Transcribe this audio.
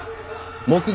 木造？